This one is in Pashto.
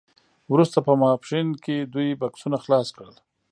وروسته په ماسپښین کې دوی بکسونه خلاص کړل